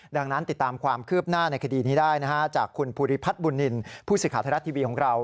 ดังนั้นติดตามความคืบหน้าในคดีนี้ได้จากคุณภูริพัฒน์บุญนินผู้สิทธิภาษาธรรรษทีวีของเรา